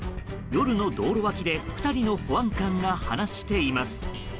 夜の道路脇で２人の保安官が話しています。